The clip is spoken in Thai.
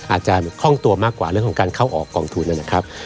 อาจจะคล่องตัวมากกว่าเรื่องของการเข้าออกกองทุนนะครับ